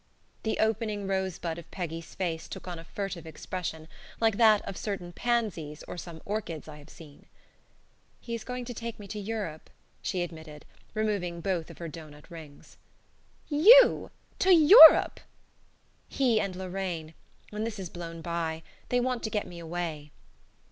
The opening rose bud of Peggy's face took on a furtive expression, like that of certain pansies, or some orchids I have seen. "He is going to take me to Europe," she admitted, removing both her doughnut rings. "YOU! To EUROPE!" "He and Lorraine. When this is blown by. They want to get me away."